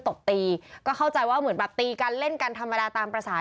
ตบตีก็เข้าใจว่าเหมือนแบบตีกันเล่นกันธรรมดาตามภาษา